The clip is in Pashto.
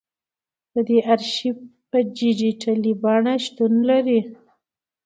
د دې ارشیف په ډیجیټلي بڼه شتون لري.